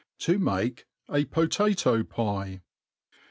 To male a Potatoi'Pie.